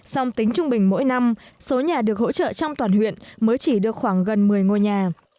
song tính trung bình mỗi năm số nhà được hỗ trợ trong toàn huyện mới chỉ được khoảng gần một mươi ngôi nhà